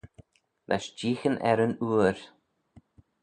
Lesh jeeaghyn er yn ooir.